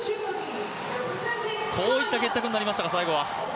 こういった決着になりましたが、最後は。